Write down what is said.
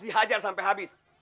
dihajar sampai habis